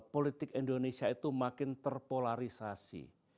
politik indonesia itu makin terpolarisasi